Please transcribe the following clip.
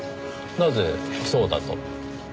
なぜそうだと？